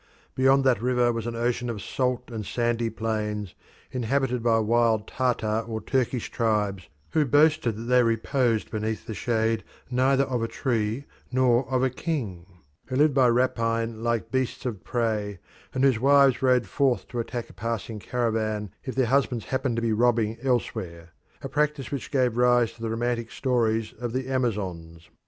Beyond that river was an ocean of salt and sandy plains, inhabited by wild Tartar or Turkish tribes who boasted that they reposed beneath the shade neither of a tree nor of a king, who lived by rapine like beasts of prey, and whose wives rode forth to attack a passing caravan if their husbands happened to be robbing elsewhere a practice which gave rise to the romantic stories of the Amazons.